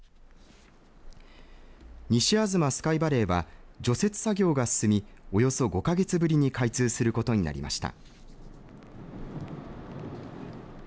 西吾妻スカイバレーは除雪作業が進みおよそ５か月ぶりに開通することになりました。